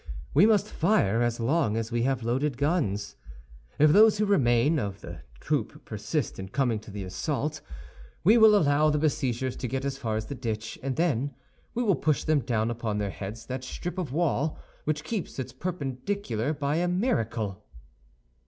We must fire as long as we have loaded guns. If those who remain of the troop persist in coming to the assault, we will allow the besiegers to get as far as the ditch, and then we will push down upon their heads that strip of wall which keeps its perpendicular by a miracle."